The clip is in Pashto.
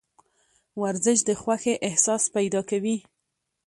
ورزش د خوښې احساس پیدا کوي.